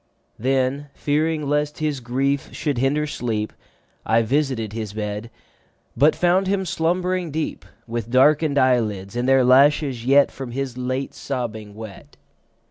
Then, fearing lest his grief should hinder sleep, I visited his bed, But found him slumbering deep, With darken'd eyelids, and their lashes yet 10 From his late sobbing wet.